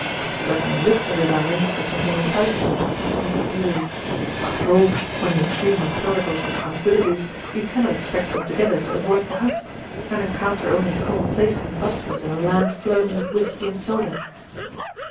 "It certainly looks as if I'm in for something excit ing," said Smith easily. "After all, when you assume a prodigal's responsibilities, you cannot expect alto gether to avoid the husks, and encounter only com placent butlers in a land flowing with whisky and soda."